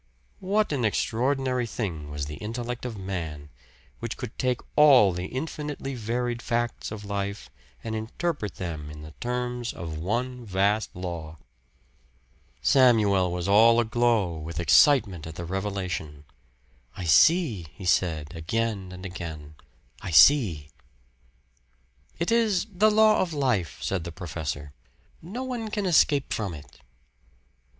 What an extraordinary thing was the intellect of man, which could take all the infinitely varied facts of life and interpret them in the terms of one vast law. Samuel was all aglow with excitement at the revelation. "I see," he said, again and again "I see!" "It is the law of life," said the professor. "No one can escape from it."